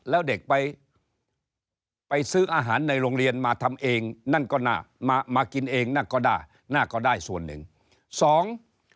แล้วเด็กไปไปซื้ออาหารในโรงเรียนมาทำเองนั่นก็น่ามากินเองนั่นก็ได้น่าก็ได้ส่วนหนึ่งสอง